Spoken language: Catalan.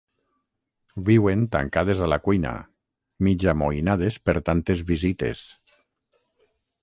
Viuen tancades a la cuina, mig amoïnades per tantes visites.